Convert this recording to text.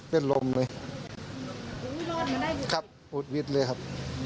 เป็นลมเลยครับอุดวิดเลยครับ